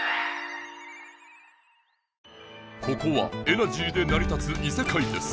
ここはエナジーでなり立ついせかいです！